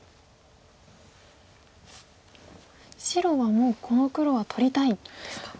白はもうこの黒は取りたいんですか。